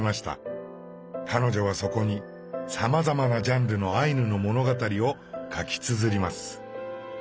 彼女はそこにさまざまなジャンルのアイヌの物語を書きつづります。